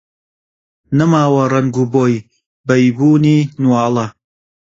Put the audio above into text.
نەماوە ڕەنگ و بۆی بەیبوونی نواڵە